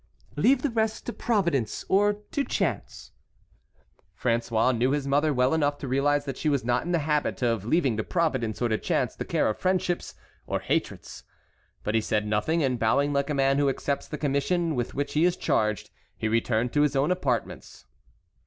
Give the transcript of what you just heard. "Leave the rest to Providence or to chance." François knew his mother well enough to realize that she was not in the habit of leaving to Providence or to chance the care of friendships or hatreds. But he said nothing, and bowing like a man who accepts the commission with which he is charged, he returned to his own apartments.